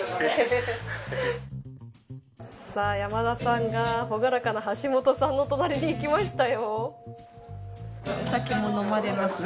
ヤマダさんが朗らかなハシモトさんの隣にいきましたよ。